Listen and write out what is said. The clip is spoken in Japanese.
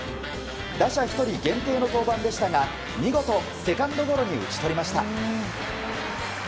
打者１人限定の登板でしたが見事、セカンドゴロに打ち取りました。